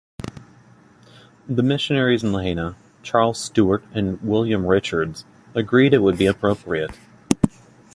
The missionaries in Lahaina, Charles Stewart and William Richards, agreed it would be appropriate.